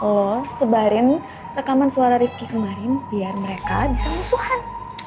oh sebarin rekaman suara rifki kemarin biar mereka bisa musuhan